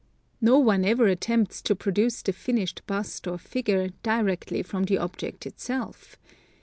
No one ever attempts to produce the finished bust or figure directly from the object itself.